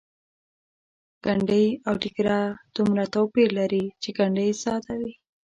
ګنډۍ او ډیګره دومره توپیر لري چې ګنډۍ ساده وي.